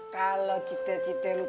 kalau cita cita lu panggung